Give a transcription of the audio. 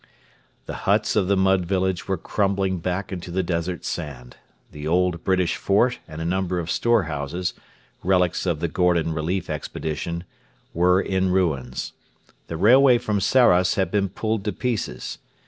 The huts of the mud village were crumbling back into the desert sand. The old British fort and a number of storehouses relics of the Gordon Relief Expedition were in ruins. The railway from Sarras had been pulled to pieces.